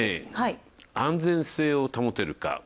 安全性を保てるか。